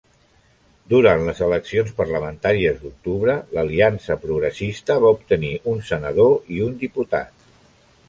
Durant les eleccions parlamentàries d'octubre, l'Aliança Progressista va obtenir un senador i un diputat.